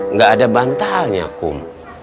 nggak ada bantalnya kom